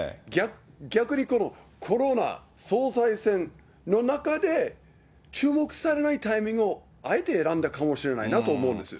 逆にコロナ、総裁選の中で、注目されないタイミングをあえて選んだかもしれないなと思うんです。